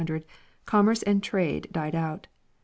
800 commerce and trade died out.